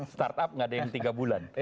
start up nggak ada yang tiga bulan